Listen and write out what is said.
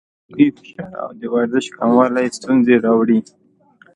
روحي فشار او د ورزش کموالی ستونزې راوړي.